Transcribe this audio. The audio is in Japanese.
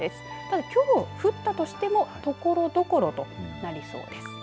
ただ、きょう降ったとしてもところどころとなりそうです。